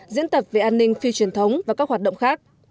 diễn tập về an ninh phi truyền thống và các hoạt động khác